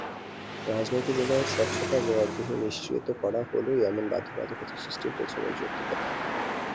রাজনৈতিক দলের স্বচ্ছতা জবাবদিহি নিশ্চিত করাই হলো এমন বাধ্যবাধকতা সৃষ্টির পেছনের যৌক্তিকতা।